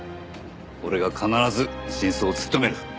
俺が必ず真相を突き止める。